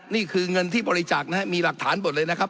นี่คือเงินที่บริจาคนะครับมีหลักฐานหมดเลยนะครับ